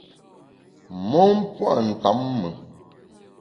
Mon pua’ ntamme.